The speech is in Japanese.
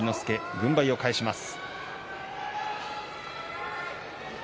軍配を返します。